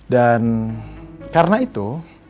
dan karena itu